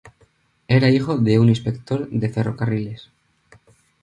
Era hijo de un inspector de ferrocarriles.